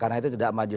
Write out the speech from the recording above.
karena itu tidak maju